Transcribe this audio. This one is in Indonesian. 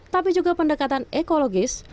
tapi juga pendekatan ekologis